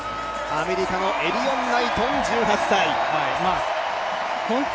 アメリカのエリヨン・ナイトン、１８歳。